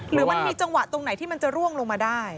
หรือมันมีจังหวะตรงไหนที่มันจะร่วงลงมาได้